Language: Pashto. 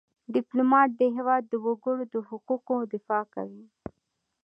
ډيپلومات د هېواد د وګړو د حقوقو دفاع کوي .